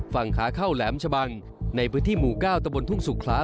ฝั่งขาเข้าแหลมชะบังในพื้นที่หมู่๙ตะบนทุ่งสุขลา